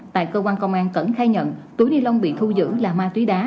tại cơ quan công an cẩn khai nhận túi ni lông bị thu giữ là ma túy đá